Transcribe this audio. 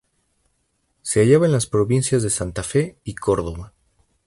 Se hallaba en las provincias de Santa Fe y Córdoba.